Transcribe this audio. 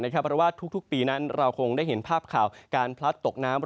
เพราะว่าทุกปีนั้นเราคงได้เห็นภาพข่าวการพลัดตกน้ำ